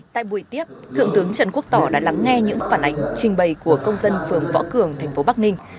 tại buổi tiếp thượng tướng trần quốc tỏ đã lắng nghe những phản ảnh trình bày của công dân phường võ cường thành phố bắc ninh